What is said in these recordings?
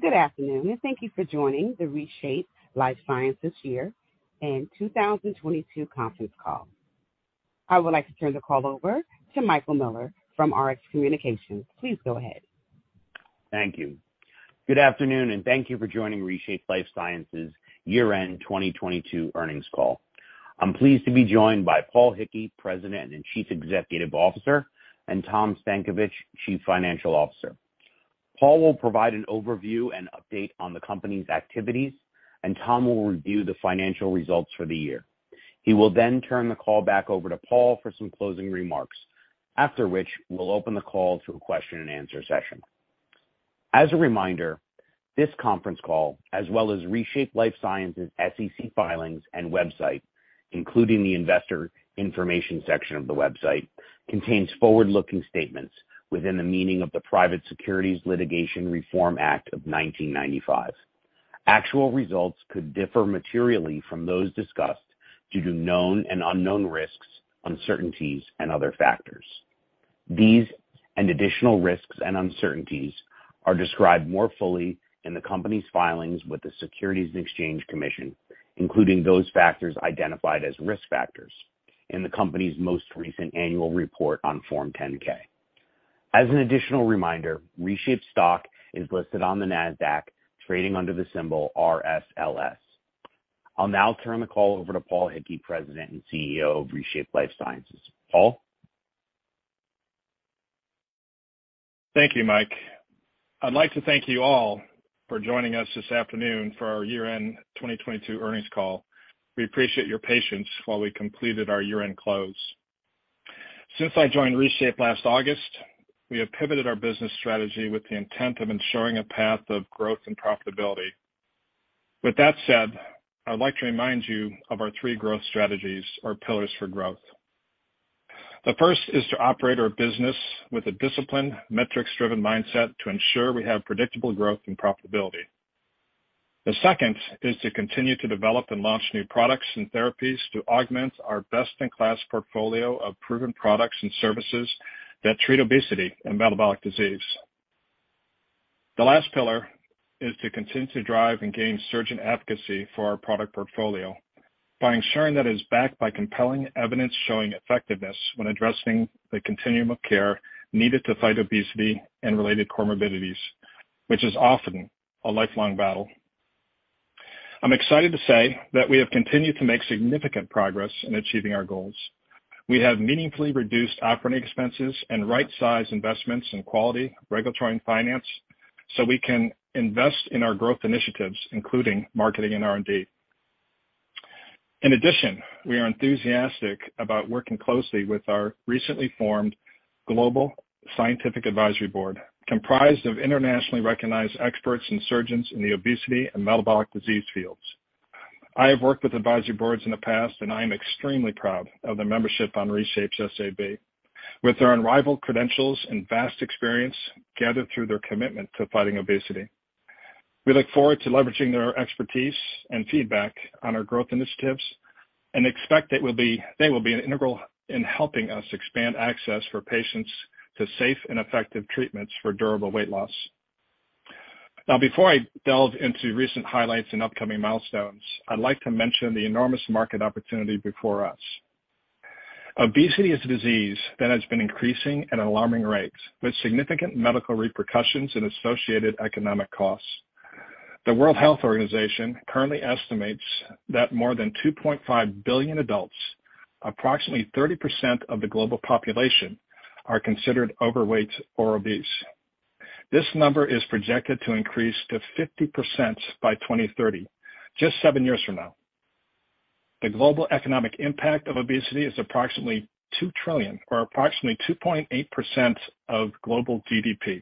Good afternoon, thank you for joining the ReShape Lifesciences year-end 2022 conference call. I would like to turn the call over to Michael Miller from Rx Communications Group. Please go ahead. Thank you. Good afternoon, and thank you for joining ReShape Lifesciences' year-end 2022 earnings call. I'm pleased to be joined by Paul Hickey, President and Chief Executive Officer, and Tom Stankovich, Chief Financial Officer. Paul will provide an overview and update on the company's activities, and Tom will review the financial results for the year. He will then turn the call back over to Paul for some closing remarks. After which, we'll open the call to a question-and-answer session. As a reminder, this conference call, as well as ReShape Lifesciences' SEC filings and website, including the Investor Information section of the website, contains forward-looking statements within the meaning of the Private Securities Litigation Reform Act of 1995. Actual results could differ materially from those discussed due to known and unknown risks, uncertainties, and other factors. These and additional risks and uncertainties are described more fully in the company's filings with the Securities and Exchange Commission, including those factors identified as risk factors in the company's most recent annual report on Form 10-K. As an additional reminder, ReShape stock is listed on the Nasdaq, trading under the symbol RSLS. I'll now turn the call over to Paul Hickey, President and CEO of ReShape Lifesciences. Paul? Thank you, Mike. I'd like to thank you all for joining us this afternoon for our year-end 2022 earnings call. We appreciate your patience while we completed our year-end close. Since I joined ReShape last August, we have pivoted our business strategy with the intent of ensuring a path of growth and profitability. With that said, I'd like to remind you of our three growth strategies or pillars for growth. The first is to operate our business with a disciplined, metrics-driven mindset to ensure we have predictable growth and profitability. The second is to continue to develop and launch new products and therapies to augment our best-in-class portfolio of proven products and services that treat obesity and metabolic disease. The last pillar is to continue to drive and gain surgeon advocacy for our product portfolio by ensuring that it is backed by compelling evidence showing effectiveness when addressing the continuum of care needed to fight obesity and related comorbidities, which is often a lifelong battle. I'm excited to say that we have continued to make significant progress in achieving our goals. We have meaningfully reduced operating expenses and right-sized investments in quality, regulatory, and finance, so we can invest in our growth initiatives, including marketing and R&D. We are enthusiastic about working closely with our recently formed global scientific advisory board, comprised of internationally recognized experts and surgeons in the obesity and metabolic disease fields. I have worked with advisory boards in the past, and I am extremely proud of the membership on ReShape's SAB. With their unrivaled credentials and vast experience gathered through their commitment to fighting obesity, we look forward to leveraging their expertise and feedback on our growth initiatives and expect they will be integral in helping us expand access for patients to safe and effective treatments for durable weight loss. Before I delve into recent highlights and upcoming milestones, I'd like to mention the enormous market opportunity before us. Obesity is a disease that has been increasing at alarming rates with significant medical repercussions and associated economic costs. The World Health Organization currently estimates that more than 2.5 billion adults, approximately 30% of the global population, are considered overweight or obese. This number is projected to increase to 50% by 2030, just seven years from now. The global economic impact of obesity is approximately $2 trillion or approximately 2.8% of global GDP.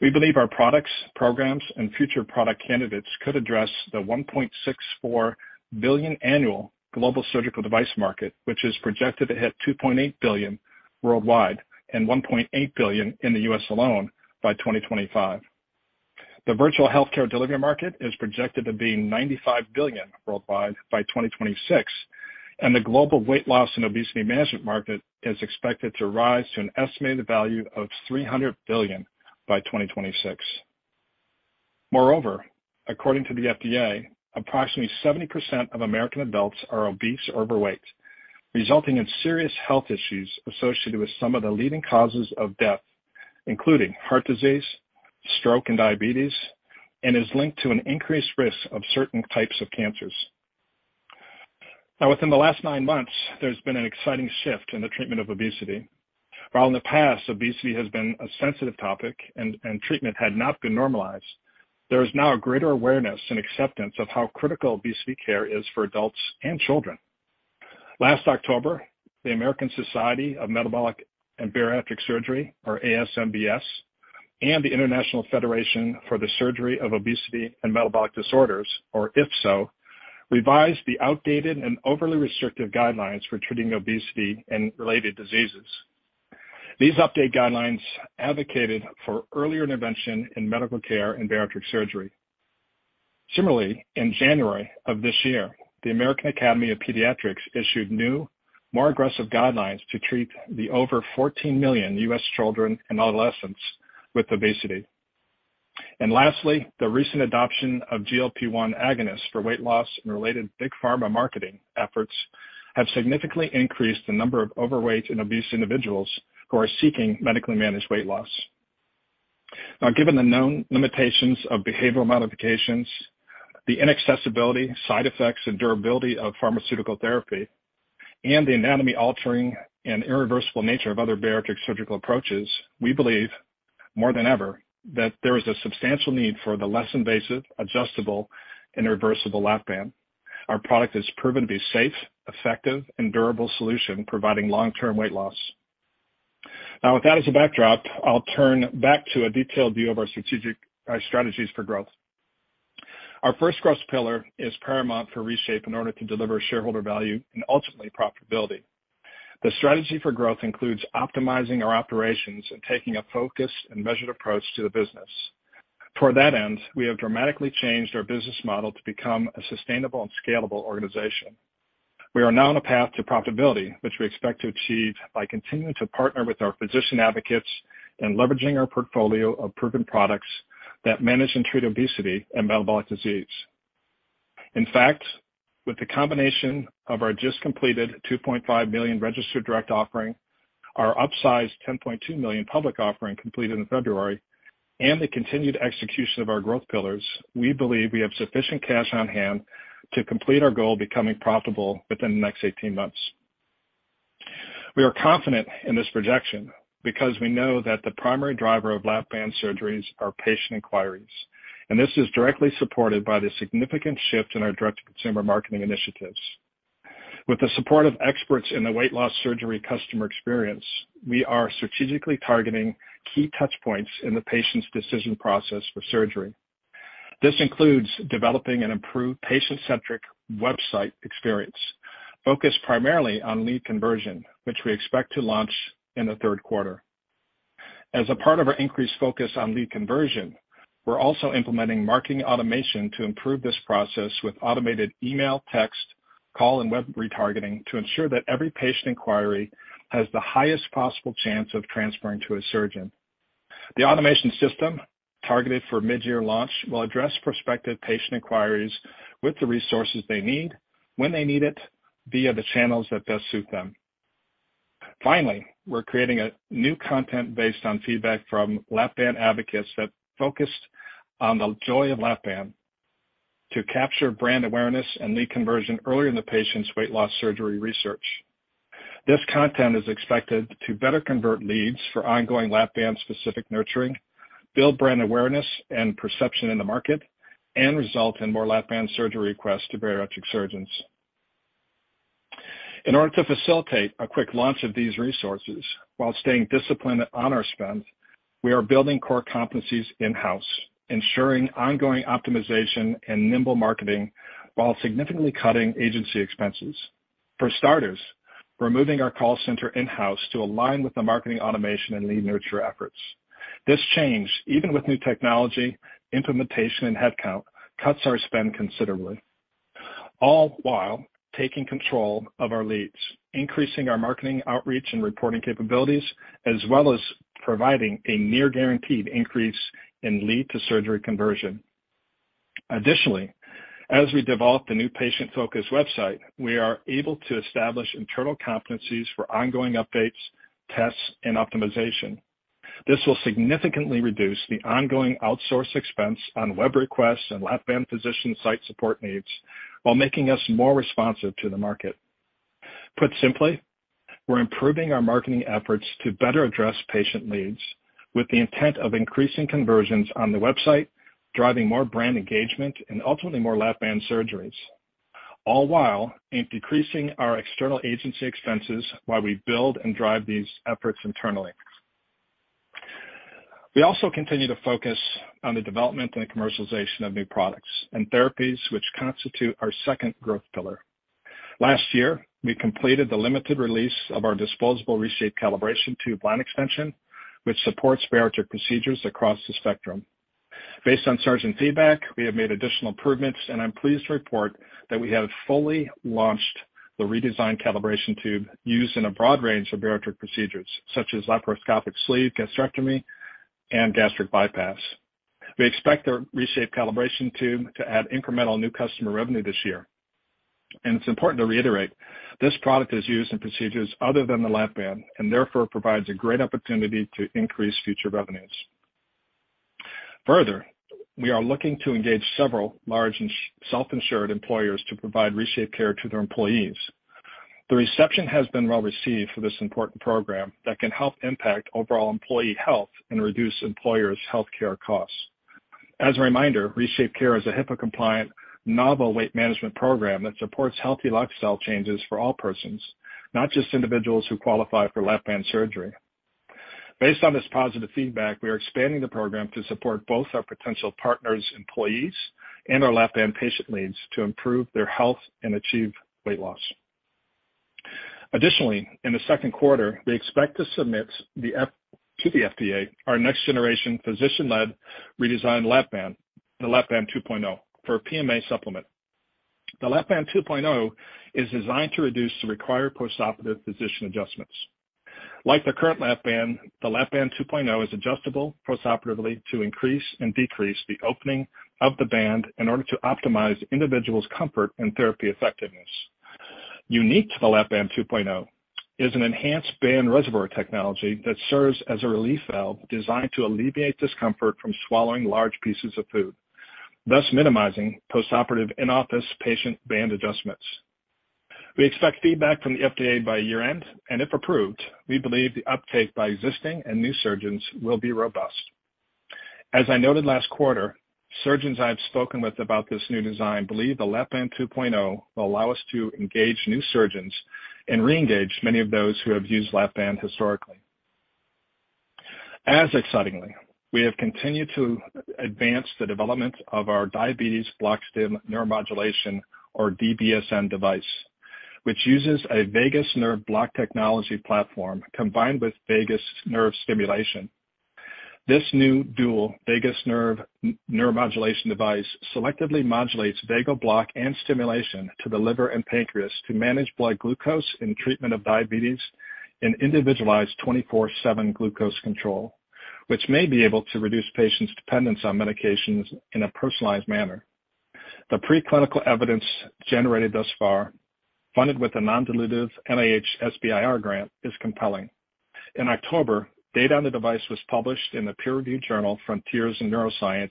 We believe our products, programs, and future product candidates could address the $1.64 billion annual global surgical device market, which is projected to hit $2.8 billion worldwide and $1.8 billion in the U.S. alone by 2025. The virtual healthcare delivery market is projected to be $95 billion worldwide by 2026, and the global weight loss and obesity management market is expected to rise to an estimated value of $300 billion by 2026. According to the FDA, approximately 70% of American adults are obese or overweight, resulting in serious health issues associated with some of the leading causes of death, including heart disease, stroke, and diabetes, and is linked to an increased risk of certain types of cancers. Within the last nine months, there's been an exciting shift in the treatment of obesity. While in the past, obesity has been a sensitive topic and treatment had not been normalized, there is now a greater awareness and acceptance of how critical obesity care is for adults and children. Last October, the American Society for Metabolic and Bariatric Surgery, or ASMBS, and the International Federation for the Surgery of Obesity and Metabolic Disorders, or IFSO, revised the outdated and overly restrictive guidelines for treating obesity and related diseases. These update guidelines advocated for earlier intervention in medical care and bariatric surgery. In January of this year, the American Academy of Pediatrics issued new, more aggressive guidelines to treat the over 14 million U.S. children and adolescents with obesity. Lastly, the recent adoption of GLP-1 agonists for weight loss and related big pharma marketing efforts have significantly increased the number of overweight and obese individuals who are seeking medically managed weight loss. Given the known limitations of behavioral modifications, the inaccessibility, side effects, and durability of pharmaceutical therapy, and the anatomy altering and irreversible nature of other bariatric surgical approaches, we believe more than ever, that there is a substantial need for the less invasive, adjustable, and reversible Lap-Band. Our product has proven to be safe, effective, and durable solution, providing long-term weight loss. With that as a backdrop, I'll turn back to a detailed view of our strategies for growth. Our first growth pillar is paramount for ReShape in order to deliver shareholder value and ultimately profitability. The strategy for growth includes optimizing our operations and taking a focused and measured approach to the business. For that end, we have dramatically changed our business model to become a sustainable and scalable organization. We are now on a path to profitability, which we expect to achieve by continuing to partner with our physician advocates and leveraging our portfolio of proven products that manage and treat obesity and metabolic disease. In fact, with the combination of our just completed $2.5 million registered direct offering, our upsized $10.2 million public offering completed in February, and the continued execution of our growth pillars, we believe we have sufficient cash on hand to complete our goal of becoming profitable within the next 18 months. We are confident in this projection because we know that the primary driver of Lap-Band surgeries are patient inquiries, and this is directly supported by the significant shift in our direct-to-consumer marketing initiatives. With the support of experts in the weight loss surgery customer experience, we are strategically targeting key touch points in the patient's decision process for surgery. This includes developing an improved patient-centric website experience focused primarily on lead conversion, which we expect to launch in the third quarter. As a part of our increased focus on lead conversion, we're also implementing marketing automation to improve this process with automated email, text, call, and web retargeting to ensure that every patient inquiry has the highest possible chance of transferring to a surgeon. The automation system, targeted for mid-year launch, will address prospective patient inquiries with the resources they need, when they need it, via the channels that best suit them. Finally, we're creating a new content based on feedback from Lap-Band advocates that focused on the joy of Lap-Band to capture brand awareness and lead conversion early in the patient's weight loss surgery research. This content is expected to better convert leads for ongoing Lap-Band specific nurturing, build brand awareness and perception in the market, and result in more Lap-Band surgery requests to bariatric surgeons. In order to facilitate a quick launch of these resources while staying disciplined on our spend, we are building core competencies in-house, ensuring ongoing optimization and nimble marketing while significantly cutting agency expenses. For starters, we're moving our call center in-house to align with the marketing automation and lead nurture efforts. This change, even with new technology implementation and headcount, cuts our spend considerably, all while taking control of our leads, increasing our marketing outreach and reporting capabilities, as well as providing a near guaranteed increase in lead to surgery conversion. Additionally, as we develop the new patient-focused website, we are able to establish internal competencies for ongoing updates, tests, and optimization. This will significantly reduce the ongoing outsource expense on web requests and Lap-Band physician site support needs while making us more responsive to the market. Put simply, we're improving our marketing efforts to better address patient leads with the intent of increasing conversions on the website, driving more brand engagement and ultimately more Lap-Band surgeries, all while decreasing our external agency expenses while we build and drive these efforts internally. We also continue to focus on the development and commercialization of new products and therapies which constitute our second growth pillar. Last year, we completed the limited release of our disposable ReShape Calibration Tube line extension, which supports bariatric procedures across the spectrum. Based on surgeon feedback, we have made additional improvements. I'm pleased to report that we have fully launched the redesigned calibration tube used in a broad range of bariatric procedures such as laparoscopic sleeve gastrectomy and gastric bypass. We expect our ReShape Calibration Tube to add incremental new customer revenue this year. It's important to reiterate, this product is used in procedures other than the Lap-Band, and therefore provides a great opportunity to increase future revenues. Further, we are looking to engage several large self-insured employers to provide ReShapeCare to their employees. The reception has been well received for this important program that can help impact overall employee health and reduce employers' healthcare costs. As a reminder, ReShapeCare is a HIPAA-compliant novel weight management program that supports healthy lifestyle changes for all persons, not just individuals who qualify for Lap-Band surgery. Based on this positive feedback, we are expanding the program to support both our potential partners' employees and our Lap-Band patient leads to improve their health and achieve weight loss. Additionally, in the second quarter, we expect to submit to the FDA our next generation physician-led redesigned Lap-Band, the Lap-Band 2.0, for a PMA supplement. The Lap-Band 2.0 is designed to reduce the required postoperative physician adjustments. Like the current Lap-Band, the Lap-Band 2.0 is adjustable postoperatively to increase and decrease the opening of the band in order to optimize individual's comfort and therapy effectiveness. Unique to the Lap-Band 2.0 is an enhanced band reservoir technology that serves as a relief valve designed to alleviate discomfort from swallowing large pieces of food, thus minimizing postoperative in-office patient band adjustments. We expect feedback from the FDA by year-end, and if approved, we believe the uptake by existing and new surgeons will be robust. As I noted last quarter, surgeons I have spoken with about this new design believe the Lap-Band 2.0 will allow us to engage new surgeons and re-engage many of those who have used Lap-Band historically. As excitingly, we have continued to advance the development of our Diabetes Bloc-Stim Neuromodulation, or DBSN device, which uses a vagus nerve block technology platform combined with vagus nerve stimulation. This new dual vagus nerve neuromodulation device selectively modulates vagal block and stimulation to the liver and pancreas to manage blood glucose in treatment of diabetes and individualized 24/7 glucose control, which may be able to reduce patients' dependence on medications in a personalized manner. The pre-clinical evidence generated thus far, funded with a non-dilutive NIH SBIR grant, is compelling. In October, data on the device was published in the peer-reviewed journal, Frontiers in Neuroscience,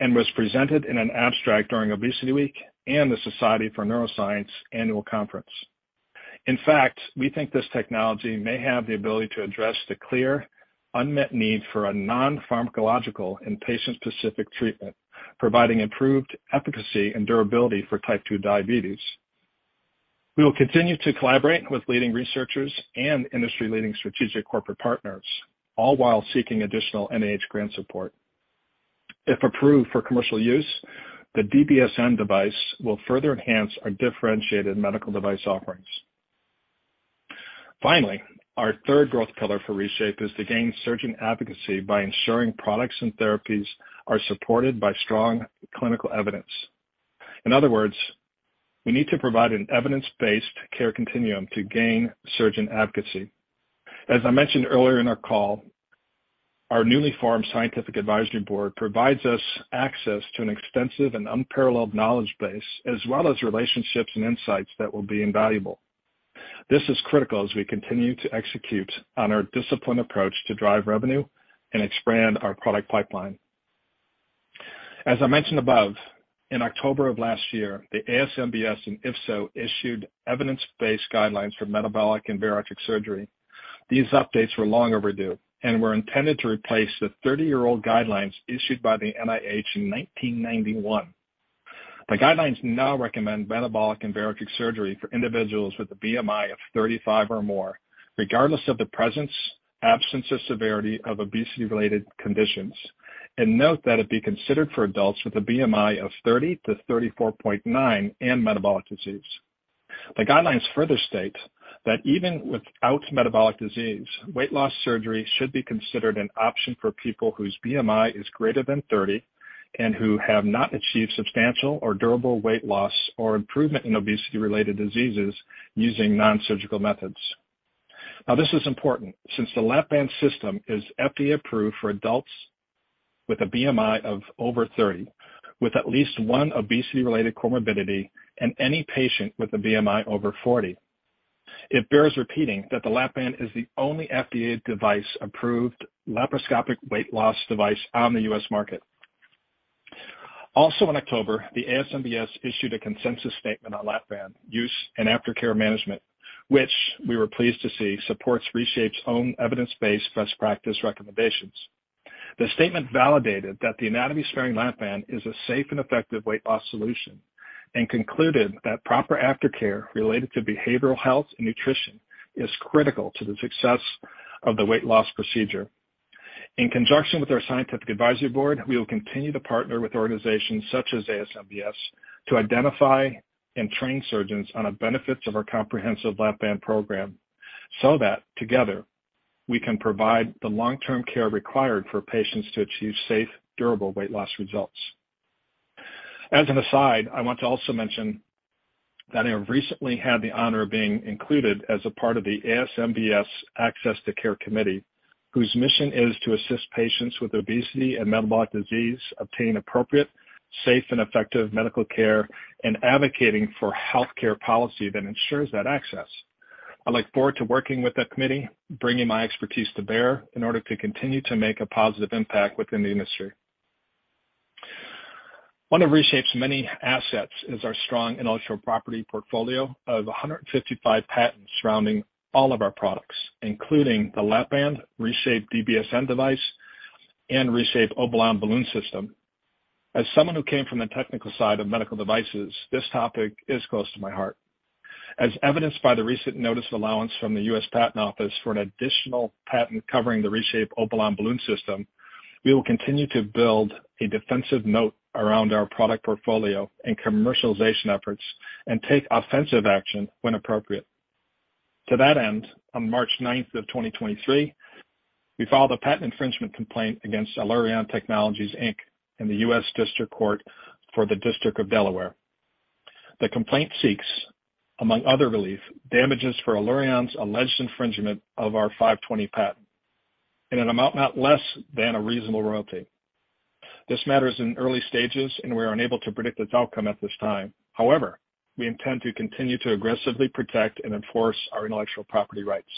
and was presented in an abstract during ObesityWeek and the Society for Neuroscience Annual Meeting. In fact, we think this technology may have the ability to address the clear unmet need for a non-pharmacological and patient-specific treatment, providing improved efficacy and durability for Type 2 diabetes. We will continue to collaborate with leading researchers and industry-leading strategic corporate partners, all while seeking additional NIH grant support. If approved for commercial use, the DBSN device will further enhance our differentiated medical device offerings. Finally, our third growth pillar for ReShape is to gain surgeon advocacy by ensuring products and therapies are supported by strong clinical evidence. In other words, we need to provide an evidence-based care continuum to gain surgeon advocacy. As I mentioned earlier in our call, our newly formed scientific advisory board provides us access to an extensive and unparalleled knowledge base, as well as relationships and insights that will be invaluable. This is critical as we continue to execute on our disciplined approach to drive revenue and expand our product pipeline. As I mentioned above, in October of last year, the ASMBS and IFSO issued evidence-based guidelines for metabolic and bariatric surgery. These updates were long overdue and were intended to replace the 30-year-old guidelines issued by the NIH in 1991. The guidelines now recommend metabolic and bariatric surgery for individuals with a BMI of 35 or more, regardless of the presence, absence, or severity of obesity-related conditions, and note that it be considered for adults with a BMI of 30 to 34.9 in metabolic disease. The guidelines further state that even without metabolic disease, weight loss surgery should be considered an option for people whose BMI is greater than 30 and who have not achieved substantial or durable weight loss or improvement in obesity-related diseases using non-surgical methods. This is important since the Lap-Band system is FDA-approved for adults with a BMI of over 30, with at least one obesity-related comorbidity and any patient with a BMI over 40. It bears repeating that the Lap-Band is the only FDA device approved laparoscopic weight loss device on the U.S. market. In October, the ASMBS issued a consensus statement on Lap-Band use and aftercare management, which we were pleased to see supports ReShape's own evidence-based best practice recommendations. The statement validated that the anatomy-sparing Lap-Band is a safe and effective weight loss solution, and concluded that proper aftercare related to behavioral health and nutrition is critical to the success of the weight loss procedure. In conjunction with our scientific advisory board, we will continue to partner with organizations such as ASMBS to identify and train surgeons on the benefits of our comprehensive Lap-Band program so that together we can provide the long-term care required for patients to achieve safe, durable weight loss results. As an aside, I want to also mention that I have recently had the honor of being included as a part of the ASMBS Access to Care Committee, whose mission is to assist patients with obesity and metabolic disease obtain appropriate, safe, and effective medical care and advocating for healthcare policy that ensures that access. I look forward to working with that committee, bringing my expertise to bear in order to continue to make a positive impact within the industry. One of ReShape's many assets is our strong intellectual property portfolio of 155 patents surrounding all of our products, including the Lap-Band, ReShape DBSN device, and ReShape Obalon Balloon System. As someone who came from the technical side of medical devices, this topic is close to my heart. As evidenced by the recent notice allowance from the U.S. Patent Office for an additional patent covering the ReShape Obalon Balloon System, we will continue to build a defensive moat around our product portfolio and commercialization efforts and take offensive action when appropriate. To that end, on March ninth of 2023, we filed a patent infringement complaint against Allurion Technologies Inc. in the U.S. District Court for the District of Delaware. The complaint seeks, among other relief, damages for Allurion's alleged infringement of our '520 Patent in an amount not less than a reasonable royalty. This matter is in early stages. We are unable to predict its outcome at this time. However, we intend to continue to aggressively protect and enforce our intellectual property rights.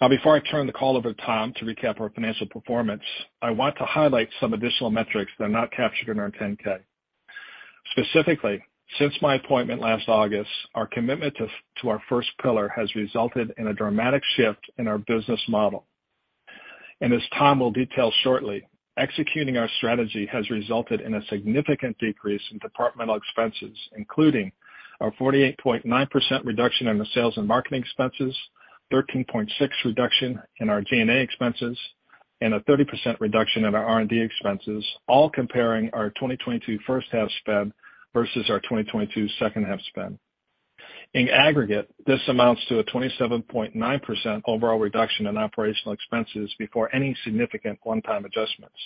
Now, before I turn the call over to Tom to recap our financial performance, I want to highlight some additional metrics that are not captured in our 10-K. Specifically, since my appointment last August, our commitment to our first pillar has resulted in a dramatic shift in our business model. As Tom will detail shortly, executing our strategy has resulted in a significant decrease in departmental expenses, including our 48.9% reduction in the sales and marketing expenses, 13.6% reduction in our G&A expenses, and a 30% reduction in our R&D expenses, all comparing our 2022 first half spend versus our 2022 second half spend. In aggregate, this amounts to a 27.9% overall reduction in operational expenses before any significant one-time adjustments.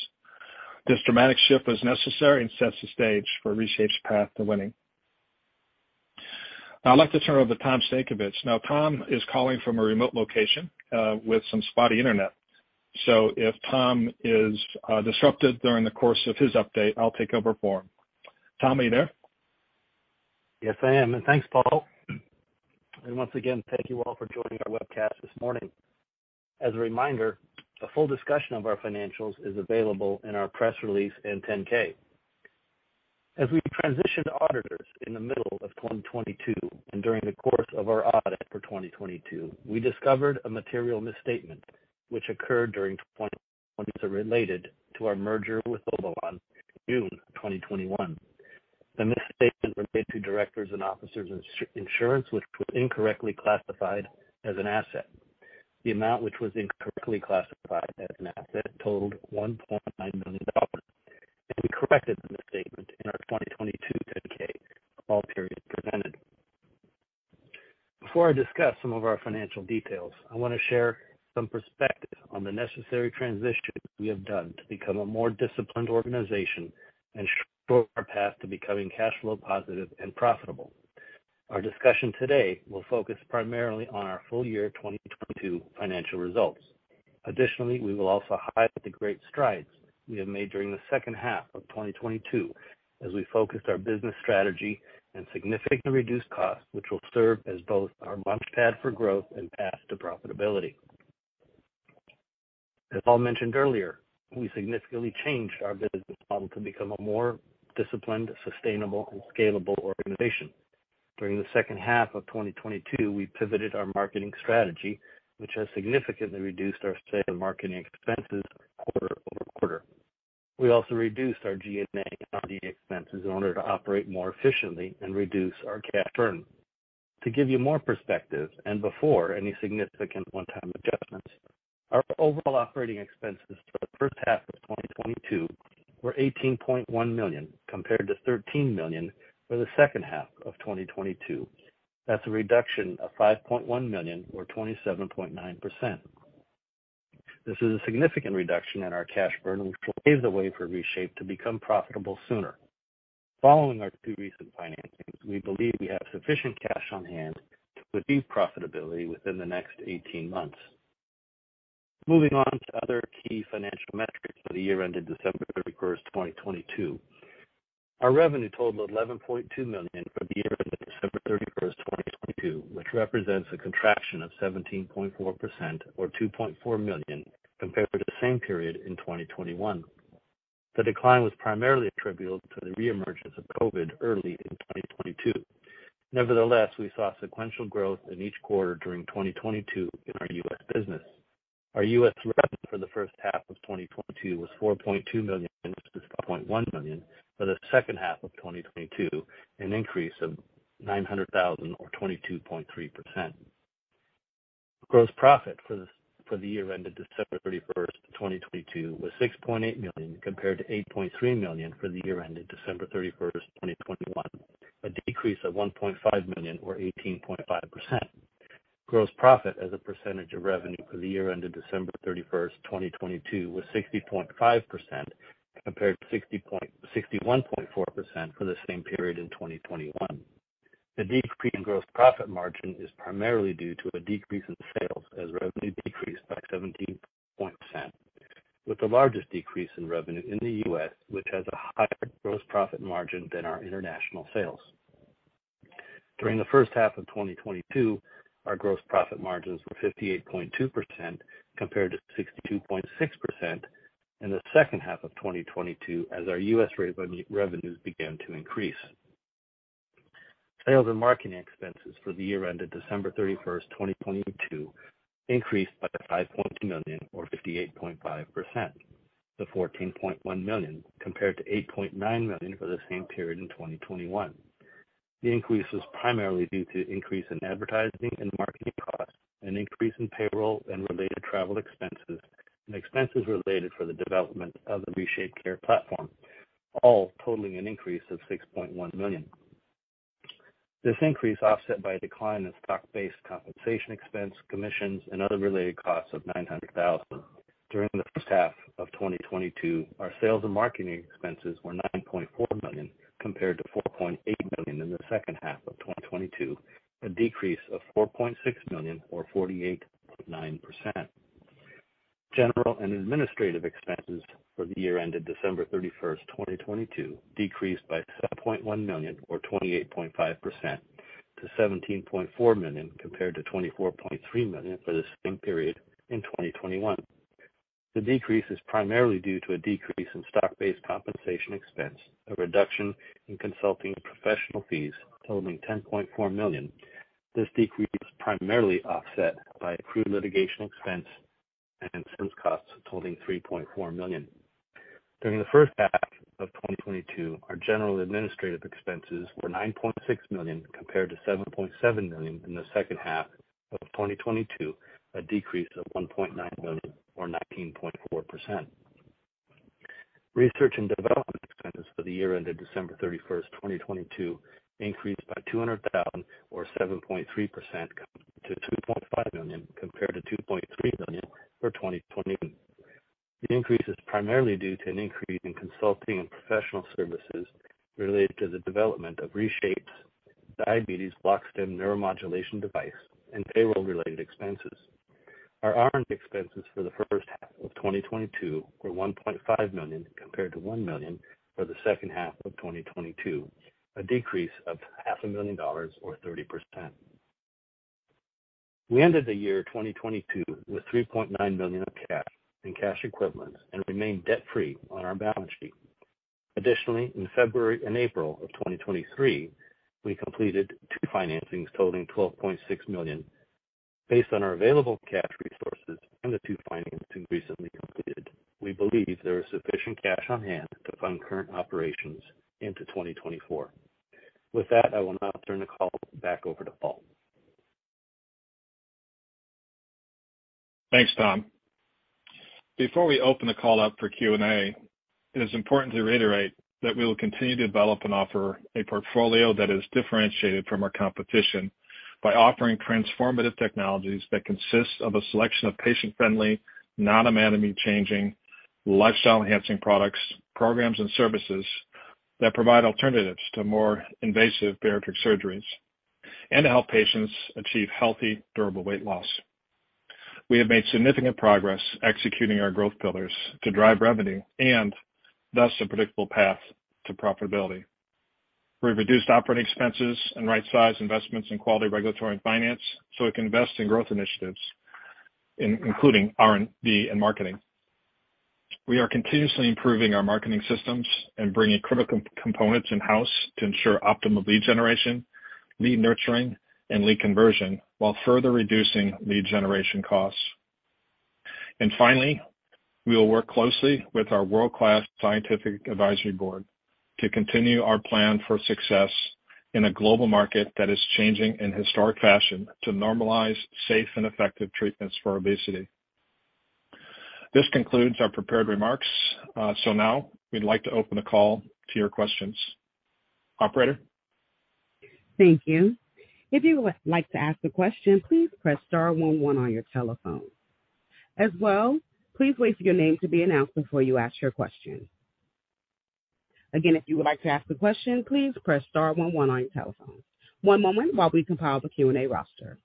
This dramatic shift was necessary and sets the stage for ReShape's path to winning. I'd like to turn over to Tom Stankovich. Tom is calling from a remote location, with some spotty internet. If Tom is disrupted during the course of his update, I'll take over for him. Tom, are you there? Yes, I am, thanks, Paul. Once again, thank you all for joining our webcast this morning. As a reminder, a full discussion of our financials is available in our press release and 10-K. As we transitioned auditors in the middle of 2022, and during the course of our audit for 2022, we discovered a material misstatement which occurred during 2022 related to our merger with Obalon on June 2021. The misstatement related to directors' and officers' insurance, which was incorrectly classified as an asset. The amount which was incorrectly classified as an asset totaled $1.9 million, and we corrected the misstatement in our 2022 10-K for all periods presented. Before I discuss some of our financial details, I wanna share some perspective on the necessary transition we have done to become a more disciplined organization and shorten our path to becoming cash flow positive and profitable. Our discussion today will focus primarily on our full-year 2022 financial results. Additionally, we will also highlight the great strides we have made during the second half of 2022 as we focused our business strategy and significantly reduced costs, which will serve as both our launchpad for growth and path to profitability. As Paul mentioned earlier, we significantly changed our business model to become a more disciplined, sustainable, and scalable organization. During the second half of 2022, we pivoted our marketing strategy, which has significantly reduced our sales and marketing expenses quarter-over-quarter. We also reduced our G&A and R&D expenses in order to operate more efficiently and reduce our cash burn. To give you more perspective, before any significant one-time adjustments, our overall operating expenses for the first half of 2022 were $18.1 million, compared to $13 million for the second half of 2022. That's a reduction of $5.1 million, or 27.9%. This is a significant reduction in our cash burn, which lays the way for ReShape to become profitable sooner. Following our two recent financings, we believe we have sufficient cash on hand to achieve profitability within the next 18 months. Moving on to other key financial metrics for the year ended December 31, 2022. Our revenue totaled $11.2 million for the year ended December 31, 2022, which represents a contraction of 17.4% or $2.4 million compared to the same period in 2021. The decline was primarily attributable to the re-emergence of COVID early in 2022. Nevertheless, we saw sequential growth in each quarter during 2022 in our U.S. business. Our U.S. revenue for the first half of 2022 was $4.2 million versus $5.1 million for the second half of 2022, an increase of $900,000 or 22.3%. Gross profit for the year ended December 31, 2022 was $6.8 million, compared to $8.3 million for the year ended December 31, 2021, a decrease of $1.5 million or 18.5%. Gross profit as a percentage of revenue for the year ended December 31st, 2022 was 60.5%, compared to 61.4% for the same period in 2021. The decrease in gross profit margin is primarily due to a decrease in sales as revenue decreased by 17 point %, with the largest decrease in revenue in the U.S., which has a higher gross profit margin than our international sales. During the first half of 2022, our gross profit margins were 58.2% compared to 62.6% in the second half of 2022 as our U.S. revenues began to increase. Sales and marketing expenses for the year ended December 31, 2022 increased by $5.2 million or 58.5% to $14.1 million compared to $8.9 million for the same period in 2021. The increase was primarily due to increase in advertising and marketing costs, an increase in payroll and related travel expenses, and expenses related for the development of the ReShapeCare platform. All totaling an increase of $6.1 million. This increase offset by a decline in stock-based compensation expense, commissions, and other related costs of $900,000. During the first half of 2022, our sales and marketing expenses were $9.4 million compared to $4.8 million in the second half of 2022, a decrease of $4.6 million or 48.9%. General and administrative expenses for the year ended December 31st, 2022, decreased by $7.1 million or 28.5% to $17.4 million compared to $24.3 million for the same period in 2021. The decrease is primarily due to a decrease in stock-based compensation expense, a reduction in consulting and professional fees totaling $10.4 million. This decrease was primarily offset by accrued litigation expense and insurance costs totaling $3.4 million. During the first half of 2022, our general administrative expenses were $9.6 million compared to $7.7 million in the second half of 2022, a decrease of $1.9 million or 19.4%. Research and development expenses for the year ended December 31, 2022, increased by $200,000 or 7.3% to $2.5 million compared to $2.3 million for 2021. The increase is primarily due to an increase in consulting and professional services related to the development of ReShape's Diabetes Bloc-Stim Neuromodulation device and payroll-related expenses. Our R&D expenses for the first half of 2022 were $1.5 million compared to $1 million for the second half of 2022, a decrease of $500,000 or 30%. We ended the year 2022 with $3.9 million of cash and cash equivalents and remain debt-free on our balance sheet. In February and April of 2023, we completed two financings totaling $12.6 million. Based on our available cash resources and the two financings recently completed, we believe there is sufficient cash on hand to fund current operations into 2024. With that, I will now turn the call back over to Paul. Thanks, Tom. Before we open the call up for Q&A, it is important to reiterate that we will continue to develop and offer a portfolio that is differentiated from our competition by offering transformative technologies that consist of a selection of patient-friendly, non-anatomy changing, lifestyle-enhancing products, programs and services that provide alternatives to more invasive bariatric surgeries and to help patients achieve healthy, durable weight loss. We have made significant progress executing our growth pillars to drive revenue and thus a predictable path to profitability. We've reduced operating expenses and right-sized investments in quality, regulatory, and finance, so we can invest in growth initiatives including R&D and marketing. We are continuously improving our marketing systems and bringing critical components in-house to ensure optimal lead generation, lead nurturing, and lead conversion while further reducing lead generation costs. Finally, we will work closely with our world-class scientific advisory board to continue our plan for success in a global market that is changing in historic fashion to normalize safe and effective treatments for obesity. This concludes our prepared remarks. Now we'd like to open the call to your questions. Operator? Thank you. If you would like to ask a question, please press star one one on your telephone. As well, please wait for your name to be announced before you ask your question. Again, if you would like to ask a question, please press star one one on your telephone. One moment while we compile the Q&A roster.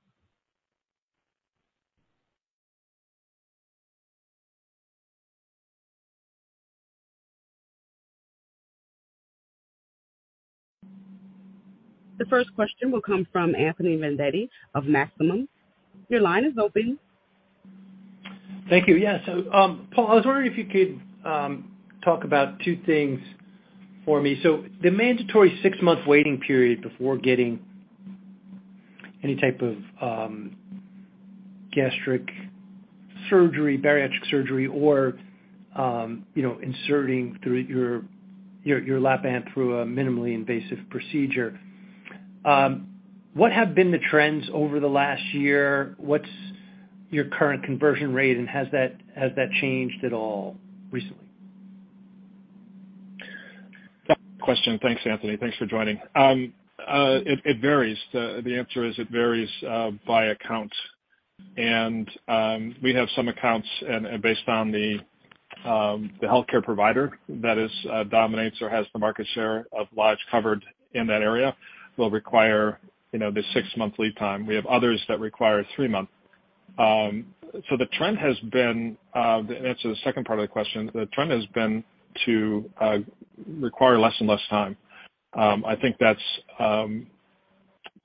The first question will come from Anthony Vendetti of Maxim Group. Your line is open. Thank you. Yes. Paul, I was wondering if you could talk about two things for me. The mandatory six-month waiting period before getting any type of gastric surgery, bariatric surgery, or, you know, inserting through your Lap-Band through a minimally invasive procedure, what have been the trends over the last year? What's your current conversion rate, and has that changed at all recently? Question. Thanks, Anthony. Thanks for joining. It varies. The answer is it varies by account. We have some accounts and based on the healthcare provider that is dominates or has the market share of lives covered in that area will require, you know, the six-month lead time. We have others that require three-month. The trend has been to answer the second part of the question, the trend has been to require less and less time. I think that's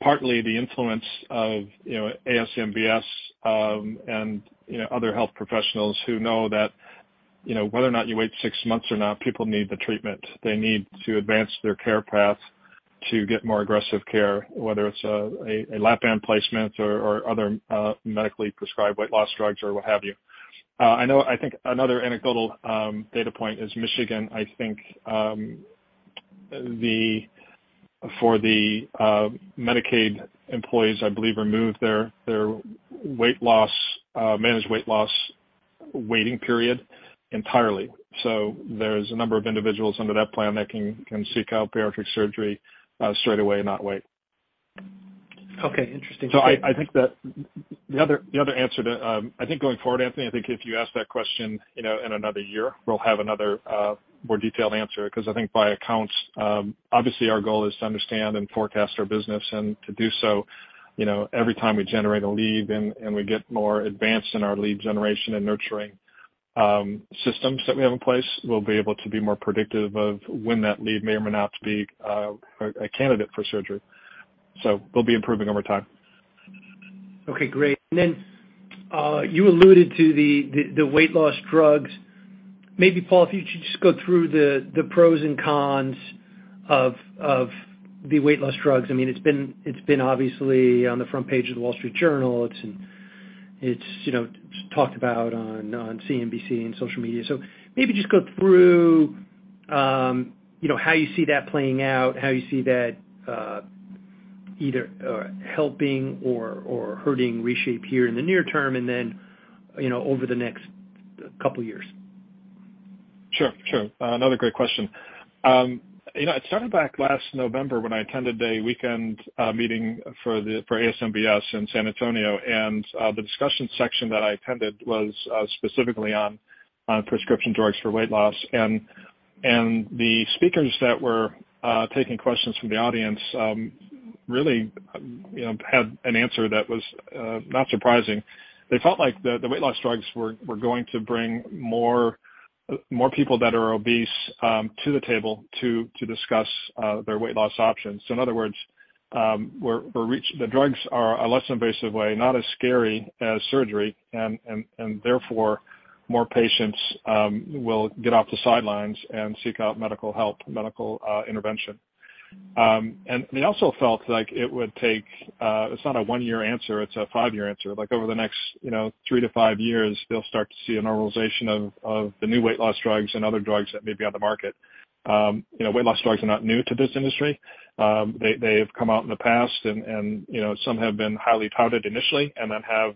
partly the influence of, you know, ASMBS, and, you know, other health professionals who know that, you know, whether or not you wait six months or not, people need the treatment. They need to advance their care path to get more aggressive care, whether it's a Lap-Band placement or other medically prescribed weight loss drugs or what have you. I think another anecdotal data point is Michigan, for the Medicaid employees, I believe, removed their weight loss managed weight loss waiting period entirely. There's a number of individuals under that plan that can seek out bariatric surgery straight away and not wait. Okay, interesting. I think that the other, the other answer to... I think going forward, Anthony, I think if you ask that question, you know, in another year, we'll have another more detailed answer because I think by accounts, obviously our goal is to understand and forecast our business. To do so, you know, every time we generate a lead and we get more advanced in our lead generation and nurturing systems that we have in place, we'll be able to be more predictive of when that lead may or may not be a candidate for surgery. We'll be improving over time. Okay, great. Then you alluded to the weight loss drugs. Maybe, Paul, if you could just go through the pros and cons of the weight loss drugs. I mean, it's been obviously on the front page of The Wall Street Journal. It's, you know, talked about on CNBC and social media. Maybe just go through, you know, how you see that playing out, how you see that either helping or hurting ReShape here in the near term and then, you know, over the next couple years. Sure. Sure. Another great question. You know, it started back last November when I attended a weekend meeting for ASMBS in San Antonio. The discussion section that I attended was specifically on prescription drugs for weight loss. The speakers that were taking questions from the audience, really, you know, had an answer that was not surprising. They felt like the weight loss drugs were going to bring more people that are obese to the table to discuss their weight loss options. In other words, the drugs are a less invasive way, not as scary as surgery. Therefore more patients will get off the sidelines and seek out medical help, medical intervention. They also felt like it would take. It's not a one-year answer, it's a five-year answer. Like, over the next, you know, three to five years, they'll start to see a normalization of the new weight loss drugs and other drugs that may be on the market. You know, weight loss drugs are not new to this industry. They, they have come out in the past and, you know, some have been highly touted initially and then have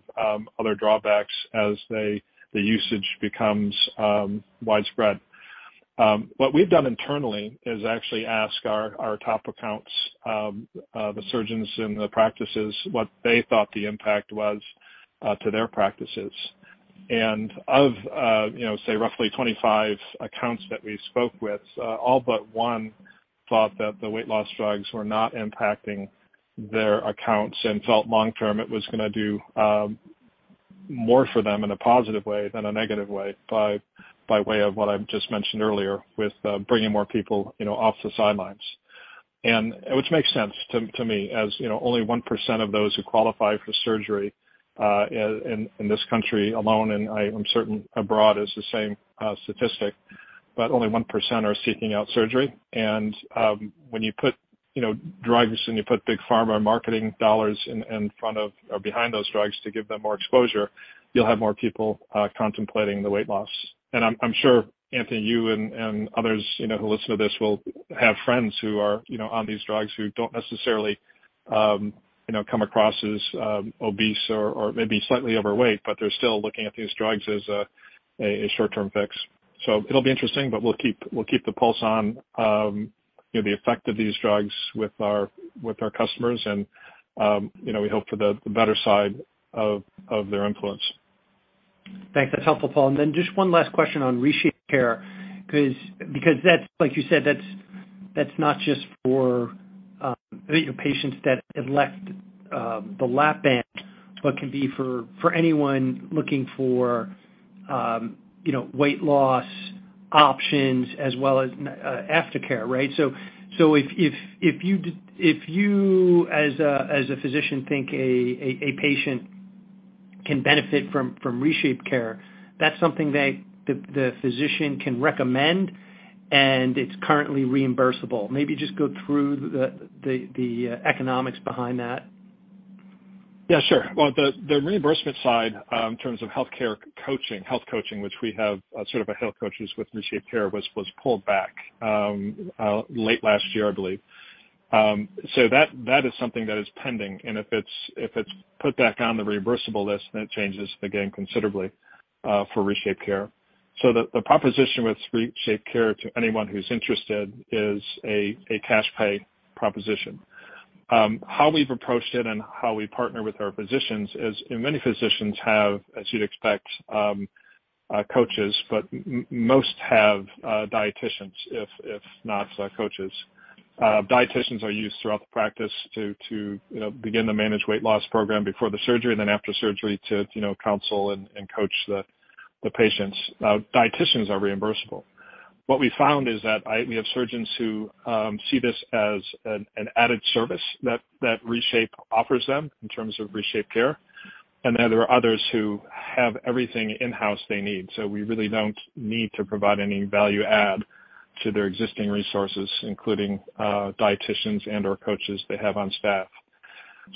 other drawbacks as they, the usage becomes widespread. What we've done internally is actually ask our top accounts, the surgeons and the practices, what they thought the impact was to their practices. Of, you know, say roughly 25 accounts that we spoke with, all but 1 thought that the weight loss drugs were not impacting their accounts and felt long term it was gonna do more for them in a positive way than a negative way by way of what I just mentioned earlier with bringing more people, you know, off the sidelines. Which makes sense to me, as, you know, only 1% of those who qualify for surgery in this country alone, and I am certain abroad is the same statistic, but only 1% are seeking out surgery. When you put, you know, drugs and you put big pharma marketing dollars in front of or behind those drugs to give them more exposure, you'll have more people contemplating the weight loss. I'm sure, Anthony, you and others, you know, who listen to this will have friends who are, you know, on these drugs who don't necessarily, you know, come across as obese or maybe slightly overweight, but they're still looking at these drugs as a short-term fix. It'll be interesting, but we'll keep the pulse on, you know, the effect of these drugs with our customers and, you know, we hope for the better side of their influence. Thanks. That's helpful, Paul. Just one last question on ReShapeCare, because that's like you said, that's not just for, you know, patients that have left the Lap-Band, but can be for anyone looking for, you know, weight loss options as well as aftercare, right? If you, as a physician think a patient can benefit from ReShapeCare, that's something the physician can recommend and it's currently reimbursable. Maybe just go through the economics behind that. Yeah, sure. Well, the reimbursement side, in terms of healthcare coaching, health coaching, which we have sort of a health coaches with ReShapeCare, was pulled back late last year, I believe. That is something that is pending, and if it's put back on the reimbursable list, then it changes the game considerably for ReShapeCare. The proposition with ReShapeCare to anyone who's interested is a cash pay proposition. How we've approached it and how we partner with our physicians is, and many physicians have, as you'd expect, coaches, but most have dietitians if not coaches. Dieticians are used throughout the practice to, you know, begin the managed weight loss program before the surgery and then after surgery to, you know, counsel and coach the patients. Now, dieticians are reimbursable. What we found is that we have surgeons who see this as an added service that ReShape offers them in terms of ReShapeCare, and then there are others who have everything in-house they need. We really don't need to provide any value add to their existing resources, including dieticians and/or coaches they have on staff.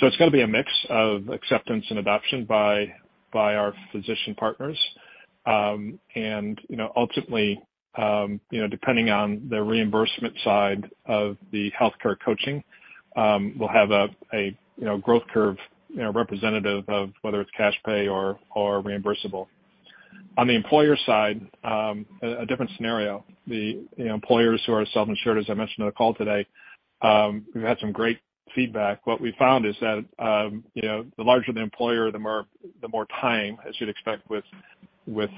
It's gonna be a mix of acceptance and adoption by our physician partners. You know, ultimately, you know, depending on the reimbursement side of the healthcare coaching, we'll have a, you know, growth curve, you know, representative of whether it's cash pay or reimbursable. On the employer side, a different scenario. You know, employers who are self-insured, as I mentioned on the call today, we've had some great feedback. What we found is that, you know, the larger the employer, the more time, as you'd expect with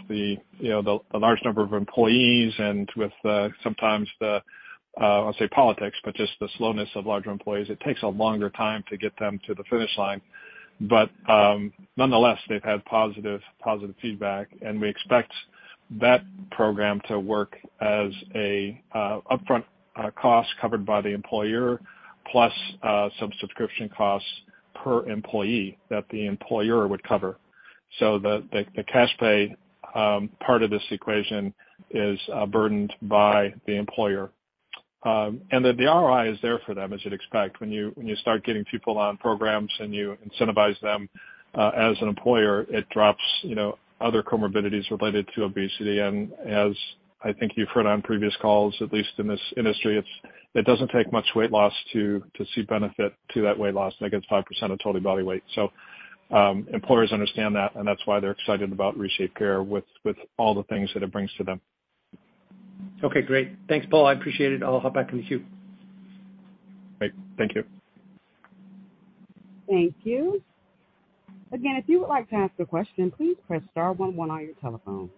the, you know, the large number of employees and with the sometimes the, I'll say politics, but just the slowness of larger employees. It takes a longer time to get them to the finish line. Nonetheless, they've had positive feedback, and we expect that program to work as an upfront cost covered by the employer, plus some subscription costs per employee that the employer would cover. The cash pay part of this equation is burdened by the employer. And the ROI is there for them, as you'd expect. When you start getting people on programs and you incentivize them as an employer, it drops, you know, other comorbidities related to obesity. And as I think you've heard on previous calls, at least in this industry, it doesn't take much weight loss to see benefit to that weight loss. I think it's 5% of total body weight so employers understand that, and that's why they're excited about ReShapeCare with all the things that it brings to them. Okay, great. Thanks, Paul. I appreciate it. I'll hop back in the queue. Great. Thank you. Thank you. Again, if you would like to ask a question, please press star one one on your telephone.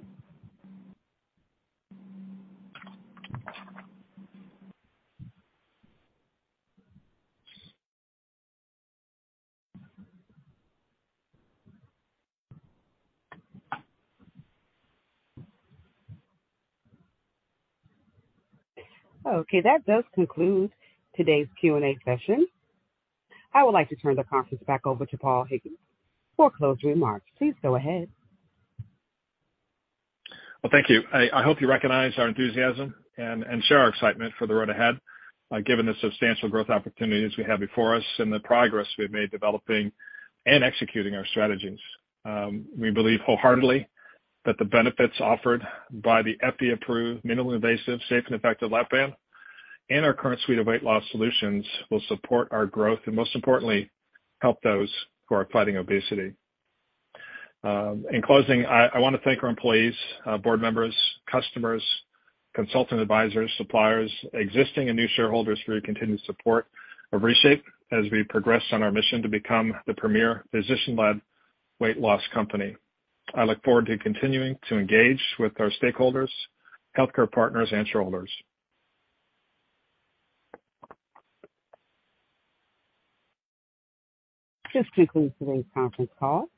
That does conclude today's Q&A session. I would like to turn the conference back over to Paul Hickey for closing remarks. Please go ahead. Well, thank you. I hope you recognize our enthusiasm and share our excitement for the road ahead, given the substantial growth opportunities we have before us and the progress we've made developing and executing our strategies. We believe wholeheartedly that the benefits offered by the FDA-approved, minimally invasive, safe and effective Lap-Band and our current suite of weight loss solutions will support our growth and most importantly, help those who are fighting obesity. In closing, I wanna thank our employees, board members, customers, consultant advisors, suppliers, existing and new shareholders for your continued support of ReShape as we progress on our mission to become the premier physician-led weight loss company. I look forward to continuing to engage with our stakeholders, healthcare partners, and shareholders. This concludes today's conference call.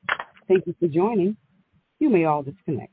Thank you for joining. You may all disconnect.